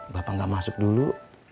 bapak gak masuk dulu